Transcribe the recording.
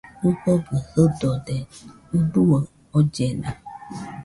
ɨfogɨ sɨdode ɨbuaɨ ollena